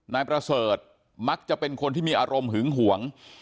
นายประเสริฐมักจะเป็นคนที่มีอารมณ์หึงหวง